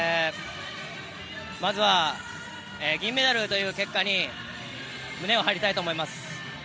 まずは銀メダルという結果に胸を張りたいと思います。